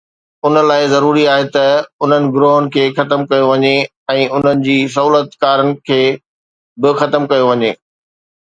ان لاءِ ضروري آهي ته انهن گروهن کي ختم ڪيو وڃي ۽ انهن جي سهولتڪارن کي به ختم ڪيو وڃي